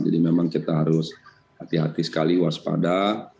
jadi memang kita harus hati hati sekali waspada